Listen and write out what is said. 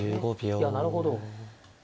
いやなるほど。